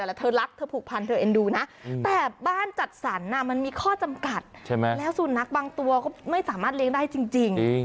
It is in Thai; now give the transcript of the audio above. แล้วเธอรักเธอผูกพันเธอเอ็นดูนะแต่บ้านจัดสรรมันมีข้อจำกัดใช่ไหมแล้วสุนัขบางตัวก็ไม่สามารถเลี้ยงได้จริง